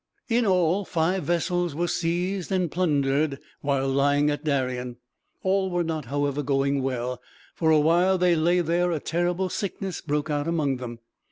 In all, five vessels were seized and plundered while lying at Darien. All was not, however, going well; for while they lay there, a terrible sickness broke out among them.